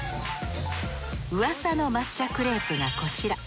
うわさの抹茶クレープがこちら。